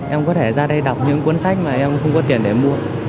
em có thể ra đây đọc những cuốn sách mà em không có tiền để mua